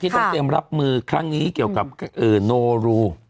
ต้องเตรียมรับมือครั้งนี้เกี่ยวกับโนรู